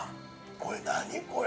これ、何これ。